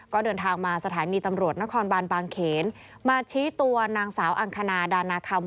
ก็เดินทางมาสถานีตำรวจนครบานบางเขนมาชี้ตัวนางสาวอังคณาดานาคัม